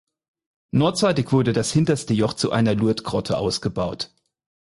Nordseitig wurde das hinterste Joch zu einer Lourdesgrotte ausgebaut.